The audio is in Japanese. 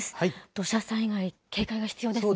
土砂災害、警戒が必要ですね。